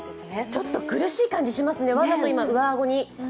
ちょっと苦しい感じしますね、わざと今、上顎に。